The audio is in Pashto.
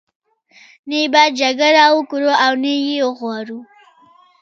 نه باید جګړه وکړو او نه یې وغواړو.